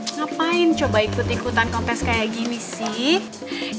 ngapain coba ikut ikutan kontes kayak gini sih